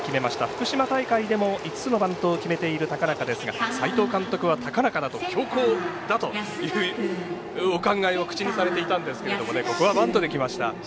福島大会でも５つのバントを決めている高中ですが、斎藤監督は高中だと強攻だというお考えを口にされていたんですけどここはバントできました。